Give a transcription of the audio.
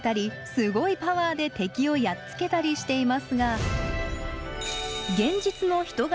すごいパワーで敵をやっつけたりしていますが現実の人型